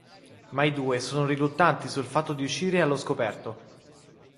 Ma i due sono riluttanti sul fatto di uscire allo scoperto.